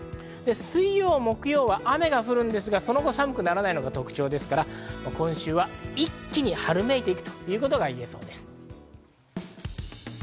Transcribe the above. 水曜、木曜は雨が降るんですが、その後、寒くならないのが特徴で、今週は一気に春めいていくということがいえそうです。